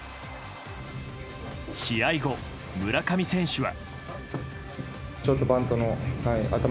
試合後、村上選手は。